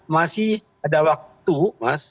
masih ada waktu mas